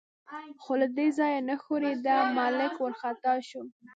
خو له دې ځایه نه ښورېده، ملک وارخطا شو.